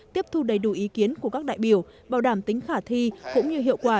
tiếp thu đầy đủ ý kiến của các đại biểu bảo đảm tính khả thi cũng như hiệu quả